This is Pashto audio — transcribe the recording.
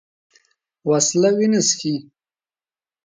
وسله وینه څښي